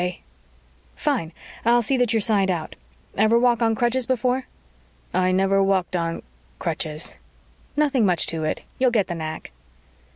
"Okay." "Fine, I'll see that you're signed out. Ever walk on crutches before?" "I never walked on crutches." "Nothing much to it. You'll get the knack."